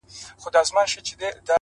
• زه مي ژاړمه د تېر ژوندون کلونه,